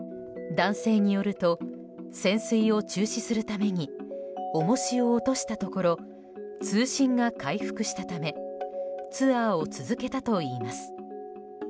男性によると潜水を中止するために重しを落としたところ通信が回復したためツアーを続けたといいます。